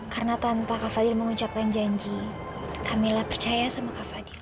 karena tanpa kak fadil mengucapkan janji kamila percaya sama kak fadil